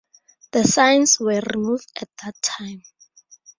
The signs were removed at that time.